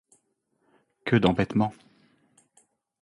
Que d'embêtements !